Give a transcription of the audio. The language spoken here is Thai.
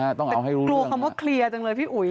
กลัวคำว่าเคลียร์จังเลยพี่อุ๋ย